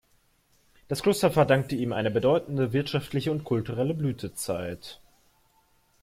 Das Kloster verdankte ihm eine bedeutende wirtschaftliche und kulturelle Blütezeit.